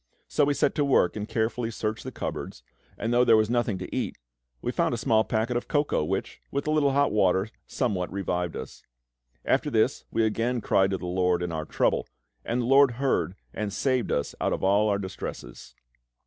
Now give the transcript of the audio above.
So we set to work and carefully searched the cupboards; and though there was nothing to eat, we found a small packet of cocoa, which, with a little hot water, somewhat revived us. After this we again cried to the LORD in our trouble, and the LORD heard and saved us out of all our distresses.